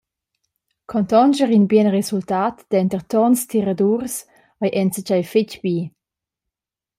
Contonscher in bien resultat denter tons tiradurs ei enzatgei fetg bi.